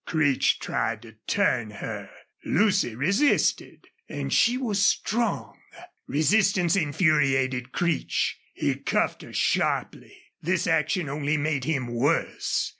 Creech tried to turn her. Lucy resisted. And she was strong. Resistance infuriated Creech. He cuffed her sharply. This action only made him worse.